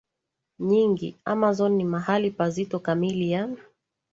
nyingi Amazon ni mahali pazito kamili ya